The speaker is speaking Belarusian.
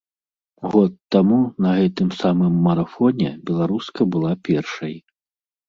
Год таму, на гэтым самым марафоне, беларуска была першай.